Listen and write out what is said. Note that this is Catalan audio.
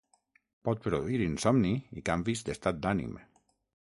Pot produir insomni i canvis d'estat d'ànim.